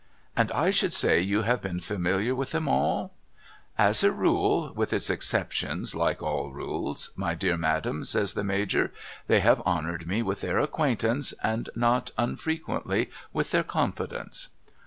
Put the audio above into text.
' And I should say you have been familiar with them all ?'' As a rule (with its exceptions like all rules) my dear Madam ' says the Major, ' they have honoured me with their acquaintance, and not unfrequently with their confidence.'